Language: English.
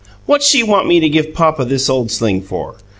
"What's she want me to give papa this old sling for?